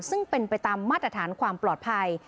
ซึ่งเป็นไปตามมาตรฐานความปลอดภัย